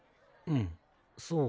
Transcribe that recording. うんそう。